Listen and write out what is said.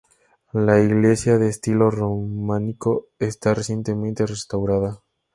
La iglesia de estilo románico está recientemente restaurada.